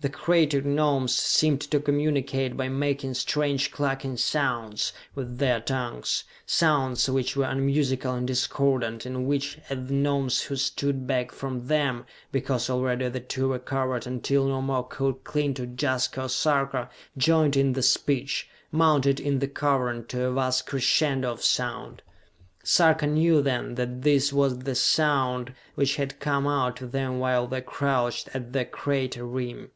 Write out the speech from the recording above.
The crater Gnomes seemed to communicate by making strange clucking sounds with their tongues, sounds which were unmusical and discordant, and which, as the Gnomes who stood back from them, because already the two were covered until no more could cling to Jaska or Sarka, joined in the speech mounted in the cavern to a vast crescendo of sound. Sarka knew then that this was the sound which had come out to them while they crouched at the crater rim.